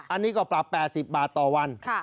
อันนี้ก็ปรับ๘๐บาทต่อวัน